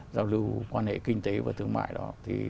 giao lưu quan hệ kinh tế và thương mại đó